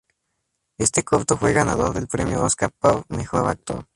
Este corto fue ganador del Premio Oscar por "Mejor productor".